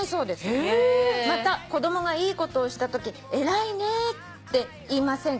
「また子供がいいことをしたとき『偉いね』って言いませんか？」